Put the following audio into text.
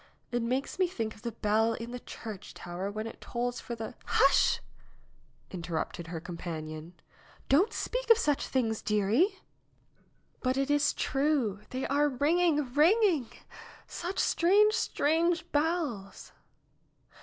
It makes me think of the bell in the church tower when it tolls for the " "Hush!" interrupted her companion. "Don't speak of such things, dearie." 70 NAOMI'S WEDDING BELLS ''But it is true. They are ringing, ringing! Such strange, strange bells